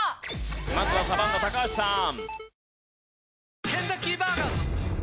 まずはサバンナ高橋さん。